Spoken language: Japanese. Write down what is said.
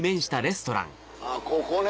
あぁここね。